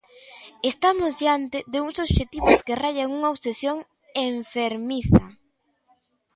Estamos diante de uns obxectivos que raian nunha obsesión enfermiza.